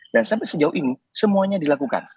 dan sampai sejauh ini semuanya dilakukan